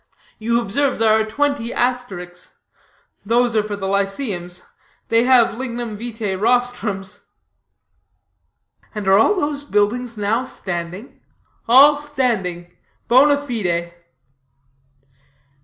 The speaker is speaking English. You observe there are twenty asterisks. Those are for the lyceums. They have lignum vitae rostrums." "And are all these buildings now standing?" "All standing bona fide."